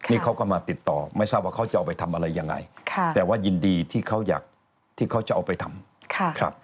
นี่เขาก็มาติดต่อไม่ทราบว่าเขาจะเอาไปทำอะไรยังไงแต่ว่ายินดีที่เขาอยากที่เขาจะเอาไปทำครับ